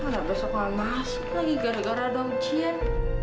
gak bisa kemas lagi gara gara ada ujian